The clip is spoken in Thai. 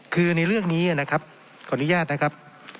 คือในเรื่องนี้นะครับขออนุญาตนะครับ